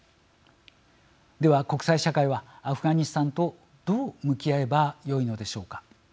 では国際社会はアフガニスタンとどう向き合えばよいのでしょうか。